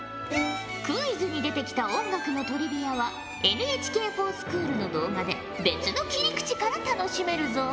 クイズに出てきた音楽のトリビアはＮＨＫｆｏｒＳｃｈｏｏｌの動画で別の切り口から楽しめるぞ。